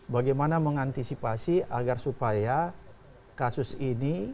bagaimana mengantisipasi agar supaya kasus ini